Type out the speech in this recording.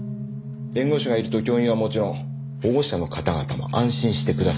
弁護士がいると教員はもちろん保護者の方々も安心してくださるんです。